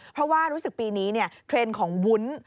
เพราะว่ารู้สึกปีนี้เทรนด์ของวุ้น